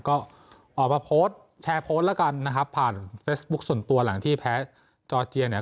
ก็ออกมาโพสต์แชร์โพสต์แล้วกันนะครับผ่านเฟซบุ๊คส่วนตัวหลังที่แพ้จอร์เจียเนี่ย